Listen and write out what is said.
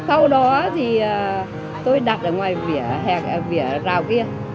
sau đó thì tôi đặt ở ngoài vỉa hè rào kia